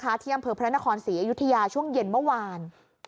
ที่อำเภอพระนครศรีอยุธยาช่วงเย็นเมื่อวาน